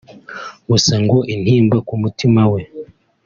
gusa ngo intimba ku mutima we